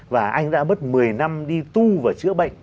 và anh đã mất một mươi năm đi tu và chữa bệnh